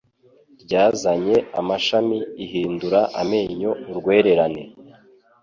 ryazanye imashini ihindura amenyo urwererane